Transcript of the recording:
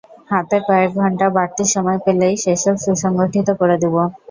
হাতে কয়েক ঘন্টা বাড়তি সময় পেলেই, সেসব সুসংগঠিত করে দেবো।